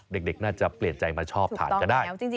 เด็กน่าจะเปลี่ยนใจมาชอบทานก็ได้